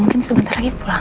mungkin sebentar lagi pulang